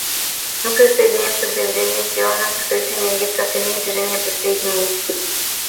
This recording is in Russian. Мы присоединяемся к заявлению, сделанному представителем Египта от имени Движения неприсоединения.